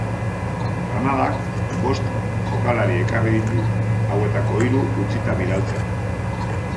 Granadak bost jokalari ekarri ditu hauetako hiru utzita bidaltzeko.